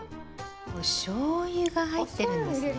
おしょう油が入ってるんですね！